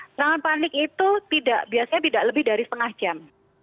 serangan panik itu biasanya tidak lebih dari setengah jam